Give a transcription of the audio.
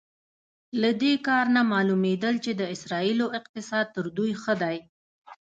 له دې کار نه معلومېدل چې د اسرائیلو اقتصاد تر دوی ښه دی.